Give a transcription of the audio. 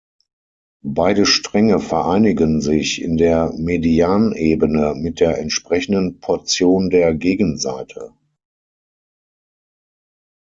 Beide Stränge vereinigen sich in der Medianebene mit der entsprechenden Portion der Gegenseite.